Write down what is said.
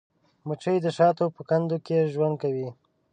مچمچۍ د شاتو په کندو کې ژوند کوي